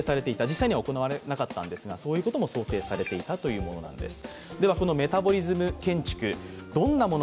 実際には行われなかったんですが、そういうことも想定されていたというものなんです。